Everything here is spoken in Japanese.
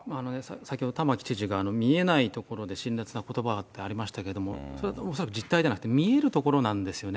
先ほど、玉城知事が見えないところで辛らつなことばをってありましたけど、恐らく実体じゃなくて、見えるところなんですよね。